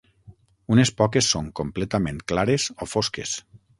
Unes poques són completament clares o fosques.